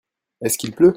Est-ce qu'il pleut ?